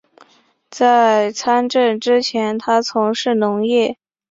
在参政之前他从事农业。